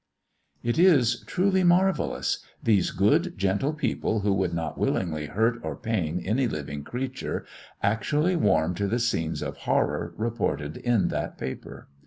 It is truly marvellous! These good, gentle people, who would not willingly hurt or pain any living creature, actually warm to the scenes of horror reported in that paper.